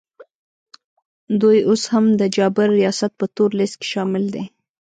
دوی اوس هم د جابر ریاست په تور لیست کي شامل دي